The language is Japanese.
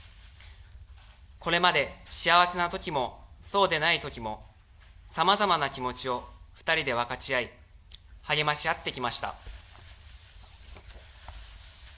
これまで幸せなときも、そうでないときも、さまざまな気持ちを２人で分かち合い、励まし合ってきました。